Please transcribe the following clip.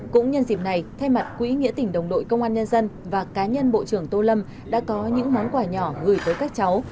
cũng nhân dịp này thay mặt quỹ nghĩa tỉnh đồng đội công an nhân dân và cá nhân bộ trưởng tô lâm đã có những món quà nhỏ gửi tới các cháu